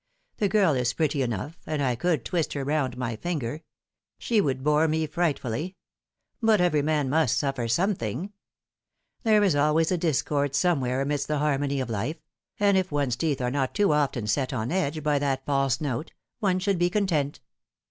The girl is pretty enough, and I could twist her round my finger. She would bore me frightfully ; but every man must suffer something There is always a discord somewhere amidst the harmony of life ; and if one's teeth are not too often set on edge by that false note, one should be content."